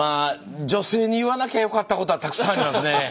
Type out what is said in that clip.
女性に言わなきゃよかったことはたくさんありますね。